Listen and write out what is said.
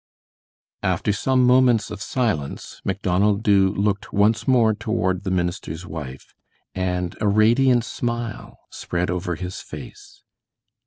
After some moments of silence, Macdonald Dubh looked once more toward the minister's wife, and a radiant smile spread over his face.